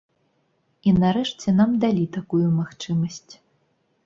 І нарэшце нам далі такую магчымасць.